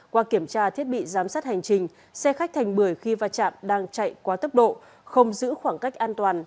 qua kiểm tra thiết bị giám sát hành trình xe khách thành bưởi khi va chạm đang chạy quá tốc độ không giữ khoảng cách an toàn